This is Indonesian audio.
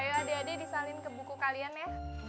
ayo adik adik disalin ke buku kalian ya